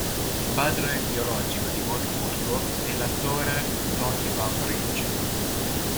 Il padre biologico di Morpurgo è l'attore Tony Van Bridge.